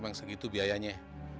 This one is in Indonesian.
bang segitu biayanya